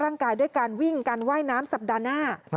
ด้วยการวิ่งการว่ายน้ำสัปดาห์หน้า